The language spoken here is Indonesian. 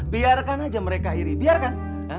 biarkan aja mereka iri biarkan